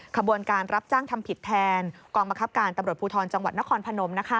ขบวนการรับจ้างทำผิดแทนกองบังคับการตำรวจภูทรจังหวัดนครพนม